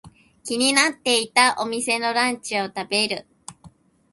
気になっていたお店のランチを食べる。